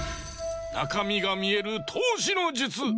なかみがみえるとうしのじゅつ。